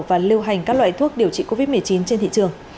và lưu hành các loại thuốc điều trị covid một mươi chín trên thị trường